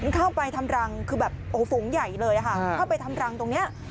เข้าไปทำรังคือแบบโอ้โหฝูงใหญ่เลยค่ะเข้าไปทำรังตรงนี้